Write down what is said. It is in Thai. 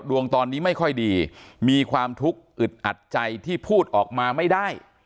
ดวงตอนนี้ไม่ค่อยดีมีความทุกข์อึดอัดใจที่พูดออกมาไม่ได้